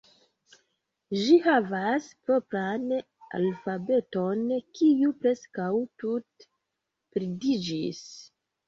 Ĝi havas propran alfabeton, kiu preskaŭ tute perdiĝis.